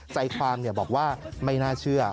ใจความบอกว่าไม่น่าเชื่อ